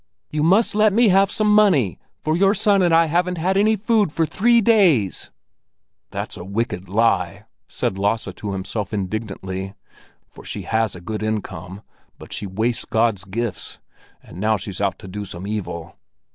You must let me have some money, for your son and I haven't had any food for three days." "That's a wicked lie!" said Lasse to himself indignantly, "for she has a good income. But she wastes God's gifts, and now she's out to do some evil."